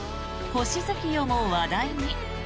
「星月夜」も話題に。